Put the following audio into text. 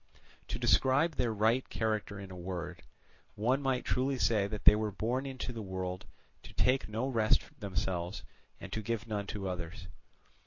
To describe their character in a word, one might truly say that they were born into the world to take no rest themselves and to give none to others.